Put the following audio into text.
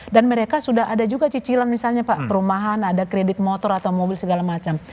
dan mereka sudah ada juga cicilan misalnya pak perumahan ada kredit motor atau mobil segala macam